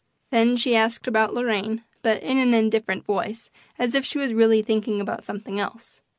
Then she asked about Lorraine, but in an indifferent voice, as if she was really thinking about something else.